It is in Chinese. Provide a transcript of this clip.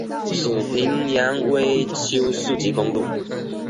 属平原微丘四级公路。